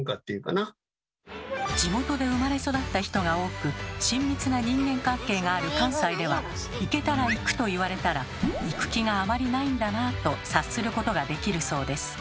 地元で生まれ育った人が多く親密な人間関係がある関西では「行けたら行く」と言われたら行く気があまりないんだなあと察することができるそうです。